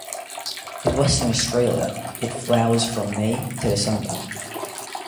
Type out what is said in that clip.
In Western Australia it flowers from May to December.